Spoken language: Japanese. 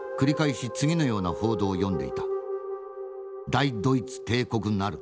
『大ドイツ帝国成る。